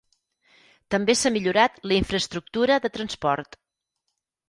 També s'ha millorat la infraestructura de transport.